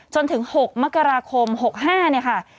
จนถึง๖มกราคม๖๕เนี่ยค่ะ